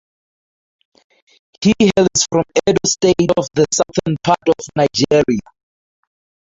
He hails from Edo state of the Southern part of Nigeria.